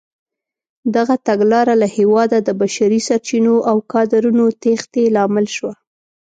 دغه تګلاره له هېواده د بشري سرچینو او کادرونو تېښتې لامل شوه.